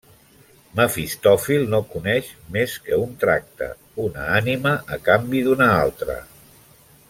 Mefistòfil no coneix més que un tracte: una ànima a canvi d'una altra.